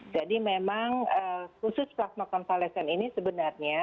jadi memang khusus plasma konvalesen ini sebenarnya